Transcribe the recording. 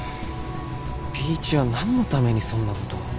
ハァＢ一は何のためにそんなことを。